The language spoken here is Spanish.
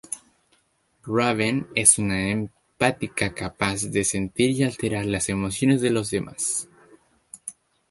Raven es una empática, capaz de sentir y alterar las emociones de los demás.